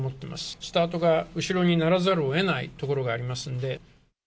スタートが後ろにならざるをえないところがありますので。